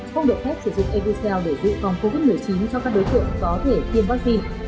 không được phép sử dụng edocel để dự phòng covid một mươi chín cho các đối tượng có thể tiêm vaccine